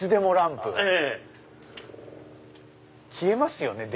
消えますよね？